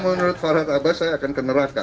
kalau menurut farhad abbas saya akan ke neraka